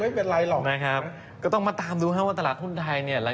ไม่เป็นไรหรอกนะครับก็ต้องมาตามดูครับว่าตลาดหุ้นไทยเนี่ย